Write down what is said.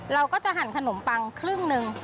เราก็จะหั่นขนมปังครึ่งหนึ่ง